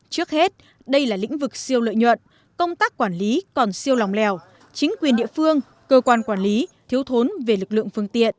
trước hết đây là lĩnh vực siêu lợi nhuận công tác quản lý còn siêu lòng lèo chính quyền địa phương cơ quan quản lý thiếu thốn về lực lượng phương tiện